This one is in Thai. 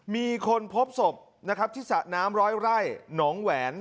มีคนพบศพที่สะน้ำรอยไล่หนองแหวน